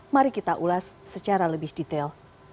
mari kita ulas secara lebih detail